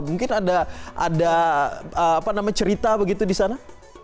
mungkin ada cerita begitu di sana